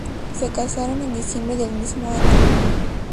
Se casaron en diciembre del mismo año.